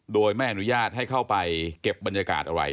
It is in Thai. โดยไม่อนุญาตให้เข้าไปเก็บบรรยากาศอะไร